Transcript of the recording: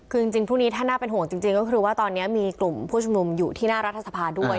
คือจริงพรุ่งนี้ถ้าน่าเป็นห่วงจริงก็คือว่าตอนนี้มีกลุ่มผู้ชุมนุมอยู่ที่หน้ารัฐสภาด้วย